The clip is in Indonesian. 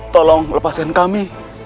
tolong melepaskan kami